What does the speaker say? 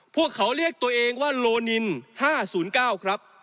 พวกเขาเรียกตัวเองว่าโลนิน๕๐๙ครับ